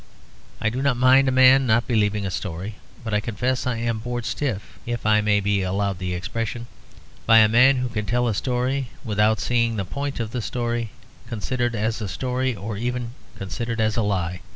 I do not mind a man not believing a story, but I confess I am bored stiff (if I may be allowed the expression) by a man who can tell a story without seeing the point of the story, considered as a story or even considered as a lie.